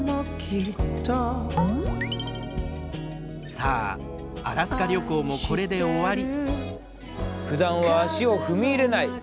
さあアラスカ旅行もこれで終わり。